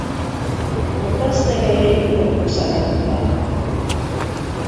A klaszterei rombusz alakúak.